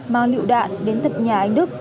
mang lựu đạn đến tập nhà anh đức